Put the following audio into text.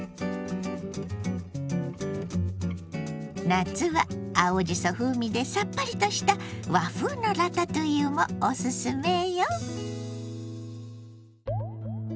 夏は青じそ風味でさっぱりとした和風のラタトゥイユもオススメよ。